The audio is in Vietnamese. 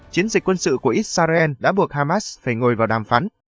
chiến dịch quân sự của israel đã buộc hamas phải ngồi vào đàm phán